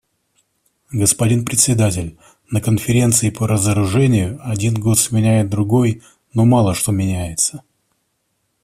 Господин Председатель, на Конференции по разоружению один год сменяет другой, но мало что меняется.